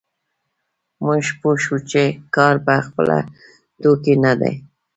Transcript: موږ پوه شوو چې کار په خپله توکی نه دی